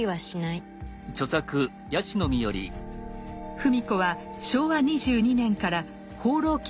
芙美子は昭和２２年から「放浪記」